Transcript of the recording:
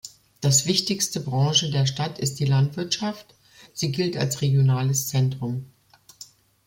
Das wichtigste Branche der Stadt ist die Landwirtschaft, sie gilt als regionales Zentrum.